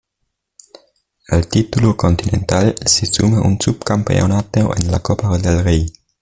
Al título continental se suma un subcampeonato en la Copa del Rey.